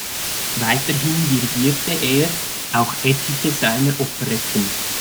Weiterhin Dirigierte er auch etliche seiner Operetten.